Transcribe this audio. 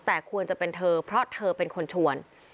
แต่ควรจะเป็นเธอเพราะเธอเป็นคนชวน